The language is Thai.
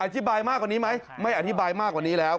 มากกว่านี้ไหมไม่อธิบายมากกว่านี้แล้ว